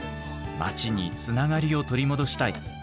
町につながりを取り戻したい。